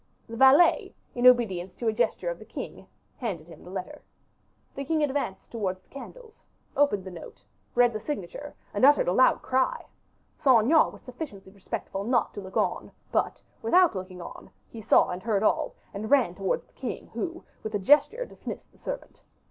The valet, in obedience to a gesture of the king, handed him the letter. The king advanced towards the candles, opened the note, read the signature, and uttered a loud cry. Saint Aignan was sufficiently respectful not to look on; but, without looking on, he saw and heard all, and ran towards the king, who with a gesture dismissed the servant.